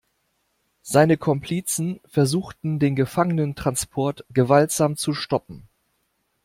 Seine Komplizen versuchten den Gefangenentransport gewaltsam zu stoppen.